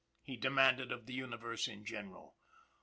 he demanded of the universe in general.